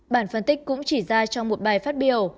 bản phân tích cũng chỉ ra trong một bài phát biểu